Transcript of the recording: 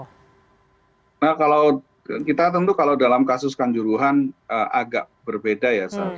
nah kalau kita tentu kalau dalam kasus kanjuruhan agak berbeda ya